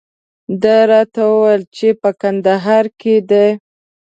ده راته وویل چې په کندهار کې دی.